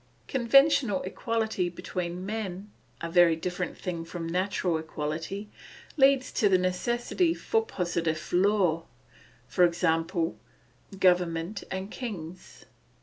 Conventional equality between men, a very different thing from natural equality, leads to the necessity for positive law, i.e., government and kings.